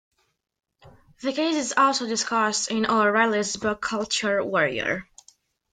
The case is also discussed in O'Reilly's book Culture Warrior.